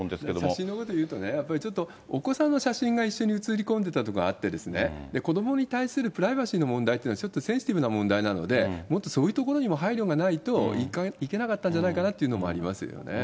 写真のこと言うとね、やっぱりちょっとお子さんの写真が一緒に写り込んでたところがあって、子どもに対するプライバシーの問題っていうの、ちょっとセンシティブな問題なので、もっとそういうところにも配慮がないといけなかったんじゃないかなっていうのもありますよね。